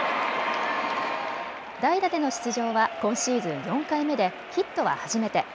代打での出場は今シーズン４回目でヒットは初めて。